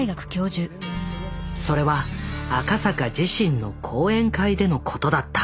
それは赤坂自身の講演会でのことだった。